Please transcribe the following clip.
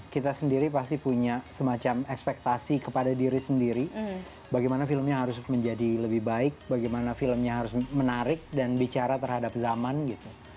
kita sendiri pasti punya semacam ekspektasi kepada diri sendiri bagaimana filmnya harus menjadi lebih baik bagaimana filmnya harus menarik dan bicara terhadap zaman gitu